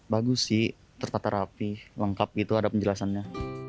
bagus sih terpaterapi lengkap gitu ada penjelasannya